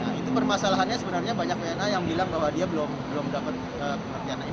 nah itu permasalahannya sebenarnya banyak wni yang bilang bahwa dia belum dapat karantina